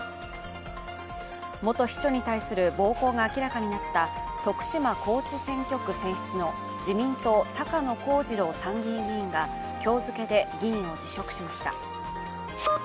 元秘書に対する暴行が明らかになった徳島・高知選挙区選出の自民党・高野光二郎参議院議員が今日付けで議員を辞職しました。